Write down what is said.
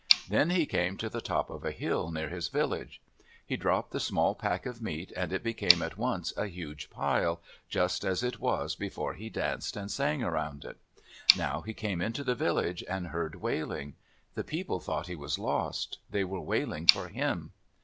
Then he came to the top of a hill near his village. He dropped the small pack of meat and it became at once a huge pile, just as it was before he danced and sang around it. Now he came into the village and heard wailing. The people thought he was lost. They were wailing for him.